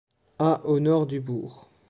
À au nord du bourg.